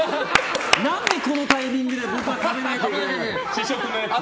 何でこのタイミングで僕は食べないといけないんだと。